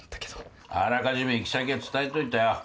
あらかじめ行き先は伝えといたよ。